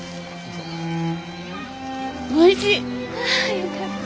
よかった。